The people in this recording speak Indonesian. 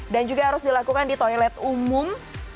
dan juga harus dilakukan di toilet umum